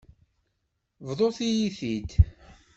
Bḍut-iyi-t-id.